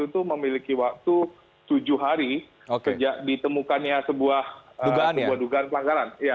itu memiliki waktu tujuh hari sejak ditemukannya sebuah dugaan pelanggaran